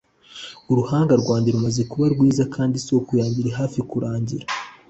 uruhanga rwanjye rumaze kuba rwiza kandi isoko yanjye iri hafi kurangira